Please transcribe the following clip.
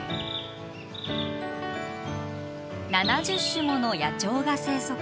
７０種もの野鳥が生息。